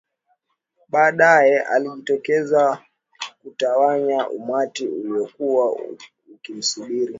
baadaye alijitokeza kutawanya umati uliokuwa ukimsubiri